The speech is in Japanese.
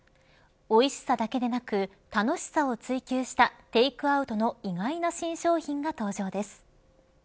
おいしさだけでなく楽しさを追求したテイクアウトの意外な新商品が登場です。